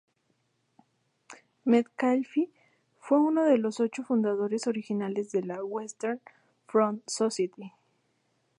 Metcalfe fue uno de los ocho fundadores originales de la Western Front Society.